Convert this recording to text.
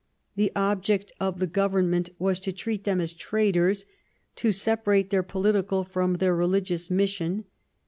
The object of the government was to treat them as traitors, to separate their political from their religious mission.